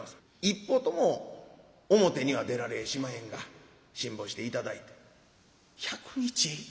一歩とも表には出られやしまへんが辛抱して頂いて」。